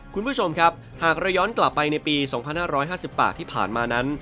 คุณผู้ชมครับหากเราย้อนกลับไปในปี๒๕๕๘ที่ผ่านมานั้น